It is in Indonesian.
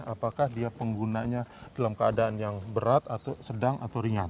apakah dia penggunanya dalam keadaan yang berat atau sedang atau ringan